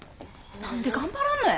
何で頑張らんのや！